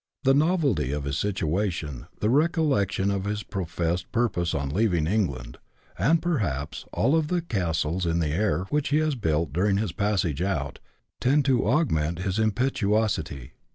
The novelty of his situation, the recollection of his professed purpose on leaving England, and perhaps of all the castles in the air which he has built during his passage out, tend to augment his impetuosity.